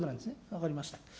分かりました。